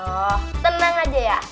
oh tenang aja ya